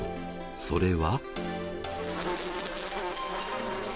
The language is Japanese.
それは。